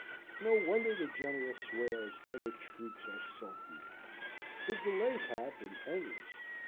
No wonder the General swears, and the troops are sulky. The delays have been endless.